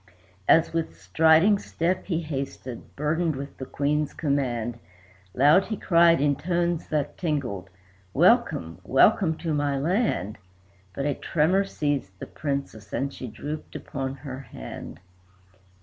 As with striding step he hasted, burdened with the Queen's command, Loud he cried, in tones that tingled, "Welcome, welcome, to my land!" But a tremor seized the Princess, and she drooped upon her hand.